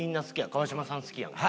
川島さん好きやから。